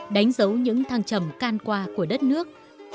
đánh dấu những thăng trầm can qua của đất nước